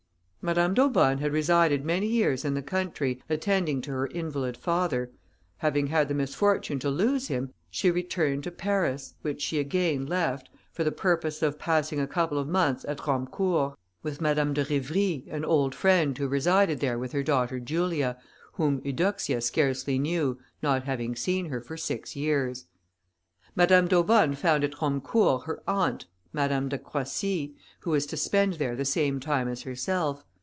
Madame d'Aubonne had resided many years in the country, attending to her invalid father; having had the misfortune to lose him, she returned, to Paris, which she again left, for the purpose of passing a couple of months at Romecourt, with Madame de Rivry, an old friend, who resided there with her daughter Julia, whom Eudoxia scarcely knew, not having seen her for six years. Madame d'Aubonne found at Romecourt her aunt, Madame de Croissy, who was to spend there the same time as herself.